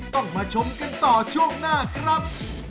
ทำไมนะครับ